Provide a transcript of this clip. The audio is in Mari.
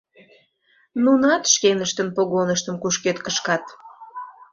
Нунат шкеныштын погоныштым кушкед кышкат.